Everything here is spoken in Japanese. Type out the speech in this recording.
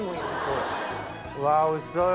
うわおいしそうよ。